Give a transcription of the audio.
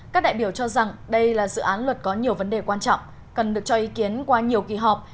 các đại biểu cho rằng đây là dự án luật có nhiều vấn đề quan trọng cần được cho ý kiến qua nhiều kỳ họp